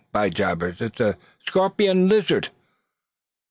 By jabers! it's a scorpion lizard!